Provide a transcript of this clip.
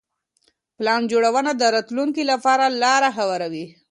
پلان جوړونه د راتلونکي لپاره لاره هواروي.